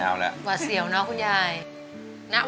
อันดับนี้เป็นแบบนี้